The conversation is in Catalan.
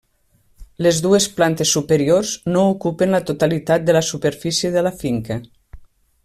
Les dues plantes superiors no ocupen la totalitat de la superfície de la finca.